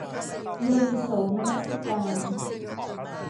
โยนิโสมนสิการ